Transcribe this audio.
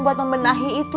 buat membenahi itu